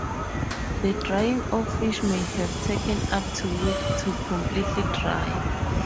The drying of fish may have taken up to week to completely dry.